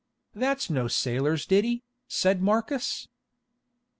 "That is no sailor's ditty," said Marcus.